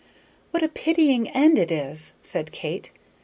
"What a pitiful ending it is," said Kate.